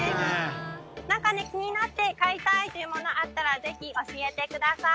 何かね気になって買いたいっていうものあったらぜひ教えてください